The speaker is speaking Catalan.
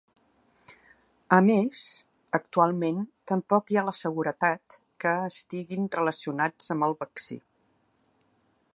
A més, actualment, tampoc hi ha la seguretat que estiguin relacionats amb el vaccí.